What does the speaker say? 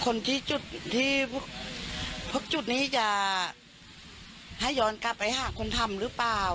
คนที่จุดที่พวกจุดนี้จะให้ย้อนกลับไปหาคนทำหรือเปล่า